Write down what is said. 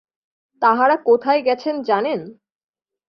তাঁহারা কোথায় গেছেন জানেন?